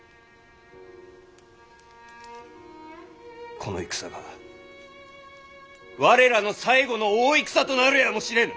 この戦が我らの最後の大戦となるやもしれぬ。